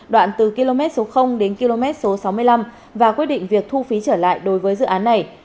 đoạn từ km số đến km số sáu mươi năm và quyết định việc thu phí trở lại đối với dự án này